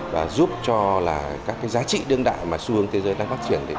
và giúp cho là các cái giá trị đương đại mà xu hướng thế giới đang phát triển